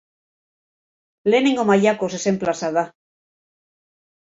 Lehenengo mailako zezen plaza da.